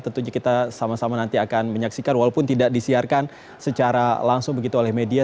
tentunya kita sama sama nanti akan menyaksikan walaupun tidak disiarkan secara langsung begitu oleh media